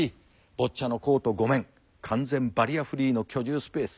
ボッチャのコート５面完全バリアフリーの居住スペース。